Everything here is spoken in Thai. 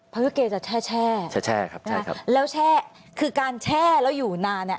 พยุเกจะแช่แล้วแช่คือการแช่แล้วอยู่นาน